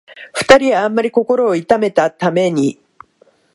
二人はあんまり心を痛めたために、